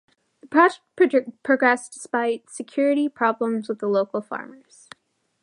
The project progressed despite security problems with local farmers.